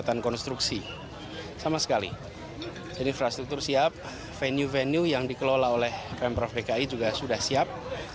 terima kasih sama sekali jadi infrastruktur siap venue venue yang dikelola oleh pemprov dki juga sudah siap